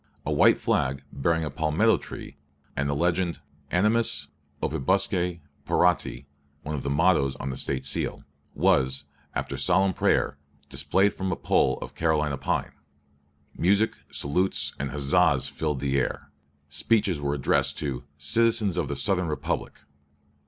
A white flag, bearing a palmetto tree and the legend Animis opibusque parati (one of the mottoes on the State seal), was, after solemn prayer, displayed from a pole of Carolina pine. Music, salutes, and huzzahs filled the air. Speeches were addressed to "citizens of the Southern Republic."